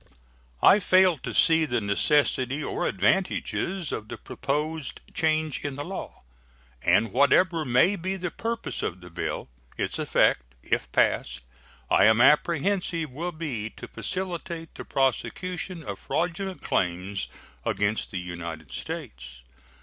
I fail to see the necessity or advantages of the proposed change in the law, and whatever may be the purposes of the bill, its effect, if passed, I am apprehensive will be to facilitate the prosecution of fraudulent claims against the United States.